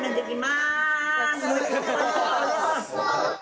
すごーい。